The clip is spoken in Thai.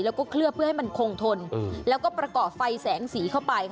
แล้วก็เคลือบเพื่อให้มันคงทนแล้วก็ประกอบไฟแสงสีเข้าไป